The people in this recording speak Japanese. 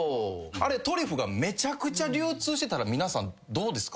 トリュフがめちゃくちゃ流通してたら皆さんどうですか？